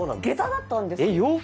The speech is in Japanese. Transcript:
下駄だったんですよ。